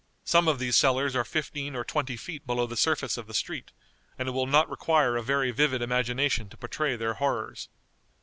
Some of these cellars are fifteen or twenty feet below the surface of the street, and it will not require a very vivid imagination to portray their horrors.